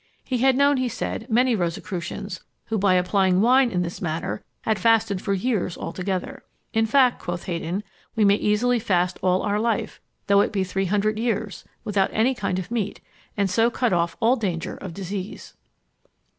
He had known, he said, many Rosicrucians, who by applying wine in this manner, had fasted for years together. In fact, quoth Heydon, we may easily fast all our life, though it be three hundred years, without any kind of meat, and so cut off all danger of disease.